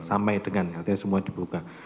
sampai dengan artinya semua dibuka